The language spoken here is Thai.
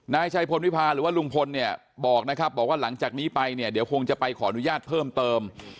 นายชัยพลวิพาหรือว่าลุงพลเนี่ยบอกนะครับบอกว่าหลังจากนี้ไปเนี่ยเดี๋ยวคงจะไปขออนุญาตเพิ่มเติม